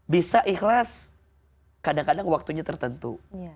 bisa ikhlas kadang kadang waktunya tertentu